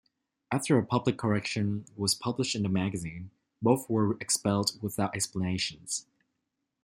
After a public correction was published in the magazine, both were expelled without explanations.